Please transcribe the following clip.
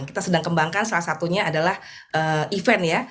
kita sedang kembangkan salah satunya adalah event ya